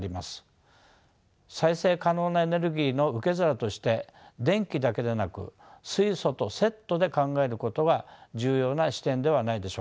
再生可能なエネルギーの受け皿として電気だけでなく水素とセットで考えることが重要な視点ではないでしょうか。